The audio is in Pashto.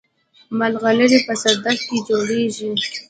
ملغلرې په صدف کې جوړیږي